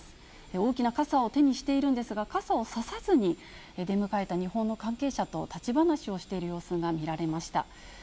大きな傘を手にしているんですが、傘を差さずに出迎えた日本の関係者と立ち話をしている様子が見られました。